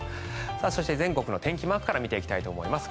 そして、全国の天気マークから見ていきたいと思います。